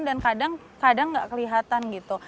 dan kadang kadang nggak kelihatan gitu